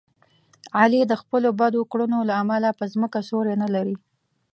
علي د خپلو بدو کړنو له امله په ځمکه سیوری نه لري.